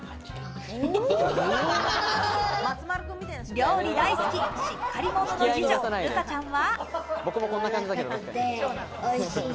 料理大好きしっかり者の二女・瑠花ちゃんは。